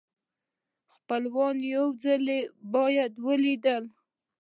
خپلوان یو ځل بیا ولیدل.